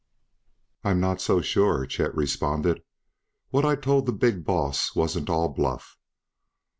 "I'm not so sure," Chet responded. "What I told the big boss wasn't all bluff.